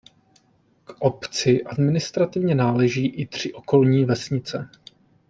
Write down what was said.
K obci administrativně náleží i tři okolní vesnice.